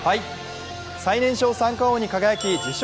最年少三冠王に輝き受賞